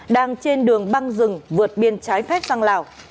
đang trên đường băng rừng vượt biên trái phép sang lào